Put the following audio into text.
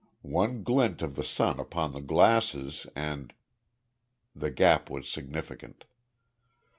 One glint of the sun upon the glasses, and " The gap was significant.